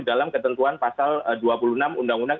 dalam ketentuan pasal dua puluh enam undang undang